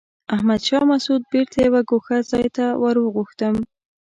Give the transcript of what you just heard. احمد شاه مسعود بېرته یوه ګوښه ځای ته ور وغوښتم.